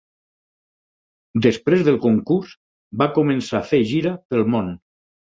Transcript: Després del concurs, va començar a fer gira pel món.